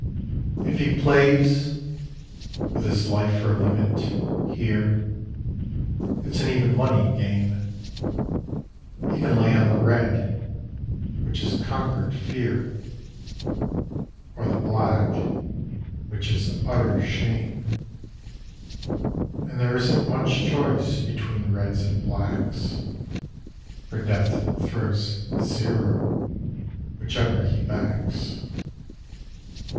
If he plays with his life for a limit here, It's an even money game: He can lay on the Red which is Conquered Fear, Or the Black which is Utter Shame. (And there isn't much choice between Reds and Blacks, For Death throws "zero" whichever he backs.)